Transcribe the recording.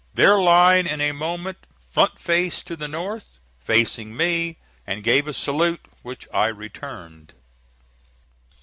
Their line in a moment front faced to the north, facing me, and gave a salute, which I returned.